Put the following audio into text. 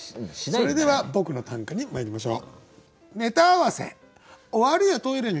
それでは僕の短歌にまいりましょう。